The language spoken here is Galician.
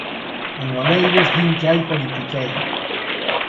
En Oleiros din que hai "politiqueo"